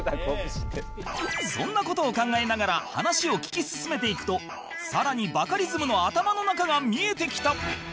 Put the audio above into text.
そんな事を考えながら話を聞き進めていくとさらにバカリズムの頭の中が見えてきた